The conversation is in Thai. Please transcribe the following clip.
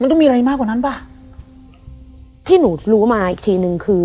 ต้องมีอะไรมากกว่านั้นป่ะที่หนูรู้มาอีกทีนึงคือ